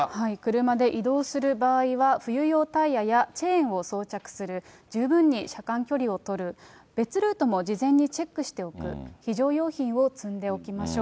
車で移動する場合は、冬用タイヤやチェーンを装着する、十分に車間距離を取る、別ルートも事前にチェックしておく、非常用品を積んでおきましょう。